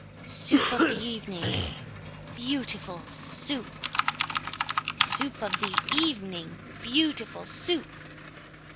Soup of the evening, beautiful Soup! Soup of the evening, beautiful Soup!